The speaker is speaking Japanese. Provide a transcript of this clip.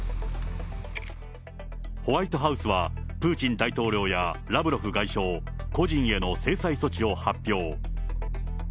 ホワイトハウスは、プーチン大統領やラブロフ外相個人への制裁措置を発表。